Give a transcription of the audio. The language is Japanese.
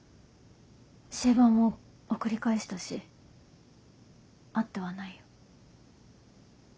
シェーバーも送り返したし会ってはないよ。